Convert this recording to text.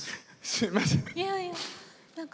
すみません。